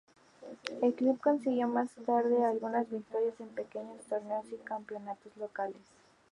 El club consiguió más tarde algunas victorias en pequeños torneos y campeonatos locales.